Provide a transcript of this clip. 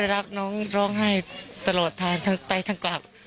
ตอนรับน้องร้องไห้ตลอดทางไปทางกล่าว